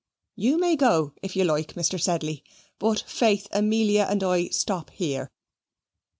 "You may go if you like, Mr. Sedley; but, faith, Amelia and I stop here."